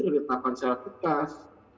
ditakar secara kekas